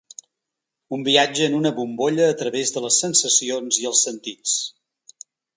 Un viatge en una bombolla a través de les sensacions i els sentits.